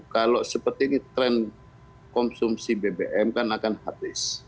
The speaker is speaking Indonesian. kalau seperti ini tren konsumsi bbm kan akan habis